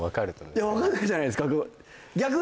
いや分かんないじゃないですか